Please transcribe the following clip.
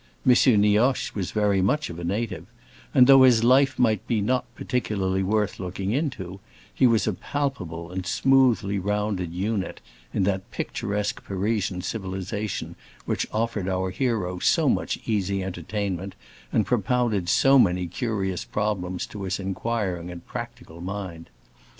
M. Nioche was very much of a native and, though his life might not be particularly worth looking into, he was a palpable and smoothly rounded unit in that picturesque Parisian civilization which offered our hero so much easy entertainment and propounded so many curious problems to his inquiring and practical mind.